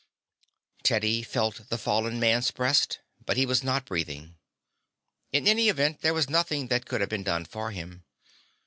Teddy felt the fallen man's breast, but he was not breathing. In any event there was nothing that could have been done for him.